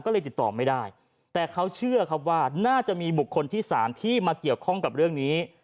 ก็เลยติดต่อไม่ได้แต่เขาเชื่อครับว่าน่าจะมีบุคคลที่สามที่มาเกี่ยวข้องกับเรื่องนี้